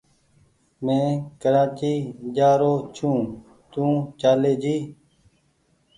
مينٚ ڪراچي جآرو ڇوٚنٚ تو چاليٚ جي